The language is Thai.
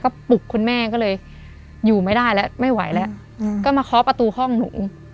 ก็ปลุกคุณแม่ก็เลยอยู่ไม่ได้แล้วไม่ไหวแล้วก็มาเคาะประตูห้องหนู